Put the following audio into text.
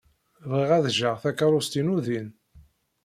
Bɣiɣ ad jjeɣ takeṛṛust-inu din.